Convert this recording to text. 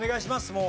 もう。